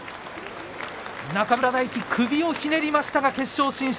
中村泰輝、首をひねりましたが決勝進出。